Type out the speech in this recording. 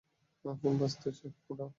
Phone বাজতেছে, উঠাও।